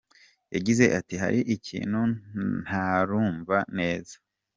Yagize ati “Hari ikintu ntarumva neza.